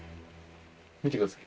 見てください。